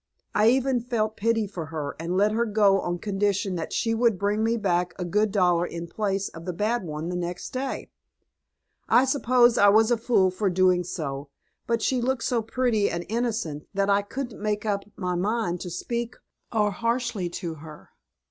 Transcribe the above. I even felt pity for her and let her go on condition that she would bring me back a good dollar in place of the bad one the next day. I suppose I was a fool for doing so, but she looked so pretty and innocent that I couldn't make up my mind to speak or harshly to her.